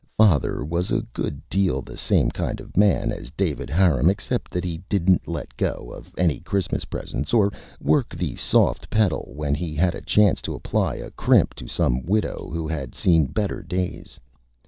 Father was a good deal the same kind of a Man as David Harum, except that he didn't let go of any Christmas Presents, or work the Soft Pedal when he had a chance to apply a Crimp to some Widow who had seen Better Days.